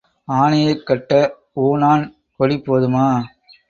ஆனையைக் கட்ட ஊணான் கொடி போதுமா?